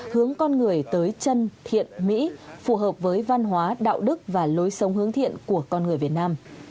hướng con người tới chân thiện mỹ phù hợp với văn hóa đạo đức và lối sống hướng thiện của con người việt nam